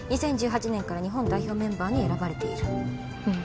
２０１８年から日本代表メンバーに選ばれているうん